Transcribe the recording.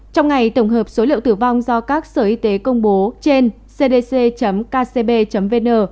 trong ngày tổng hợp số liệu tử vong do các sở y tế công bố trên cdc kcb vn